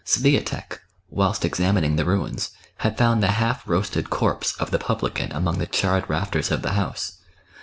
Swiatek, whilst examining the ruins, had found the half roasted corpse of the publican among the charred rafters of the house.